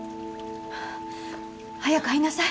早く入りなさい。